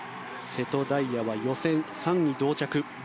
瀬戸大也は、予選３位同着。